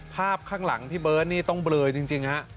ภาพข้างหลังพี่เบิ้ลต้องเบลอจริง